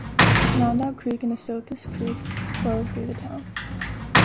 Rondout Creek and Esopus Creek flow through the town.